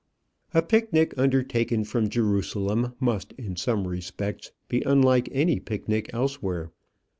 A picnic undertaken from Jerusalem must in some respects be unlike any picnic elsewhere.